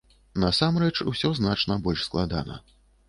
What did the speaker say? Насамрэч, усё значна больш складана.